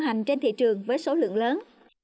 hành trên thị trường với số lượng lớn